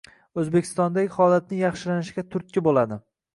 Oʻzbekistondagi holatning yaxshilanishiga turtki boʻladi.